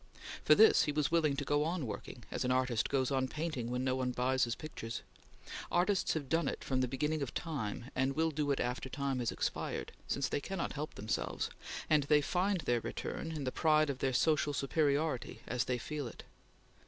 For this he was willing to go on working, as an artist goes on painting when no one buys his pictures. Artists have done it from the beginning of time, and will do it after time has expired, since they cannot help themselves, and they find their return in the pride of their social superiority as they feel it.